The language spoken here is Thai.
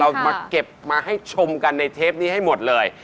เรามาเก็บมาให้ชมกันในเทปนี้ให้หมดเลย